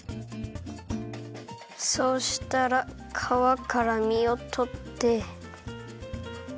そうしたらかわから身をとって。